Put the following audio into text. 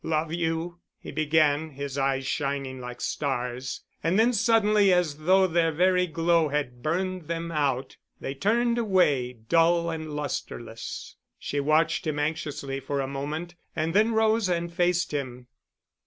"Love you——?" he began, his eyes shining like stars. And then suddenly, as though their very glow had burned them out, they turned away, dull and lusterless. She watched him anxiously for a moment and then rose and faced him.